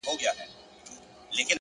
د ښویېدلي سړي لوري د هُدا لوري;